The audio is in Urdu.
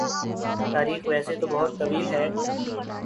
تاریخ ویسے تو بہت طویل ہے